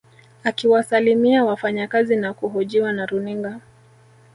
Akiwasalimia wafanyakazi na kuhojiwa na runinga